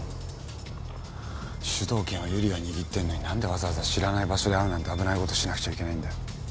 主導権は由理が握ってんのになんで知らない場所で会うなんて危ないことしなくちゃいけない？